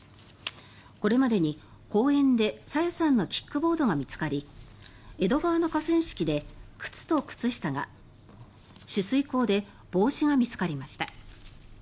これまでに公園で朝芽さんのキックボードが見つかり江戸川の河川敷で靴と靴下が取水口で帽子が見つかりました。